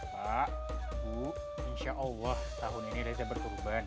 pak bu insya allah tahun ini reza berturban